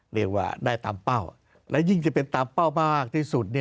เรียกว่าได้ตามเป้าและยิ่งจะเป็นตามเป้ามากที่สุด